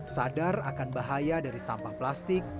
sadar akan bahaya dari sampah plastik